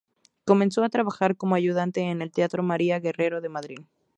Comenzó a trabajar como ayudante en el Teatro María Guerrero de Madrid.